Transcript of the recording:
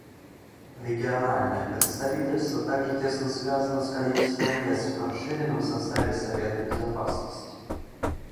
Региональное представительство также тесно связано с количеством мест в расширенном составе Совета Безопасности.